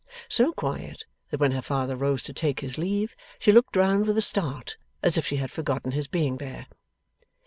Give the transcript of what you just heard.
So quiet, that when her father rose to take his leave, she looked round with a start, as if she had forgotten his being there.